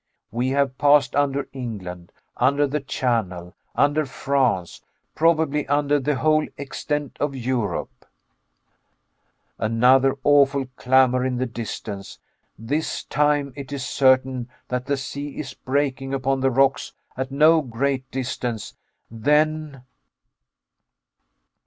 We have passed under England, under the Channel, under France, probably under the whole extent of Europe. Another awful clamor in the distance. This time it is certain that the sea is breaking upon the rocks at no great distance. Then